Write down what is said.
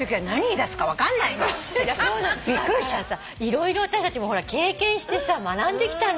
色々私たちも経験してさ学んできたんだよ。